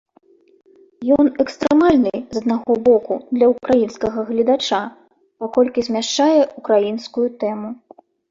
Ён экстрэмальны, з аднаго боку, для ўкраінскага гледача, паколькі змяшчае ўкраінскую тэму.